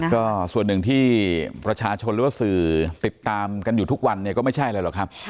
ก็ส่วนหนึ่งที่ประชาชนหรือว่าสื่อติดตามกันอยู่ทุกวันเนี่ยก็ไม่ใช่อะไรหรอกครับ